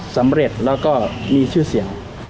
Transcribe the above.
สำเร็จแล้วก็มีชื่อเสียง